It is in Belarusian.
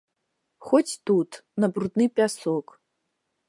Хоць тут, на брудны пясок.